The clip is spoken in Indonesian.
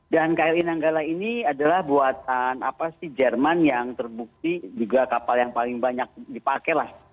dan kri nanggala ini adalah buatan apa sih jerman yang terbukti juga kapal yang paling banyak dipakai lah